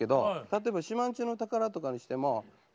例えば「島人ぬ宝」とかにしても。